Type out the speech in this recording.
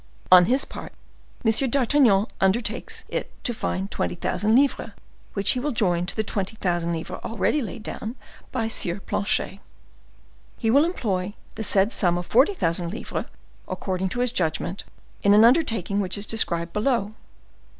On his part, M. d'Artagnan undertakes it to find twenty thousand livres, which he will join to the twenty thousand already laid down by the Sieur Planchet. He will employ the said sum of forty thousand livres according to his judgment in an undertaking which is described below.